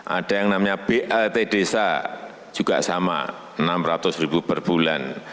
ada yang namanya blt desa juga sama rp enam ratus ribu per bulan